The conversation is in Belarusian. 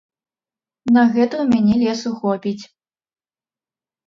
На гэта ў мяне лесу хопіць.